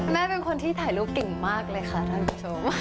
แม่เป็นคนที่ถ่ายรูปเก่งมากเลยค่ะท่านผู้ชม